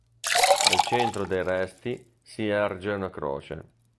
Al centro dei resti si erge una croce.